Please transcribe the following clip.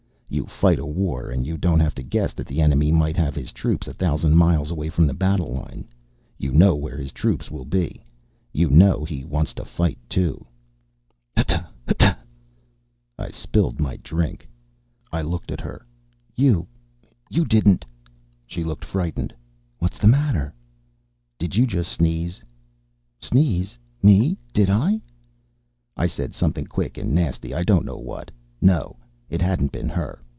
You fight a war and you don't have to guess that the enemy might have his troops a thousand miles away from the battle line. You know where his troops will be. You know he wants to fight, too. Hutta. Hutta. I spilled my drink. I looked at her. "You you didn't " She looked frightened. "What's the matter?" "Did you just sneeze?" "Sneeze? Me? Did I " I said something quick and nasty, I don't know what. No! It hadn't been her.